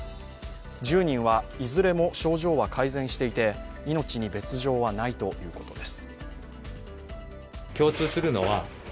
１０人はいずれも症状は改善していて命に別状はないということです。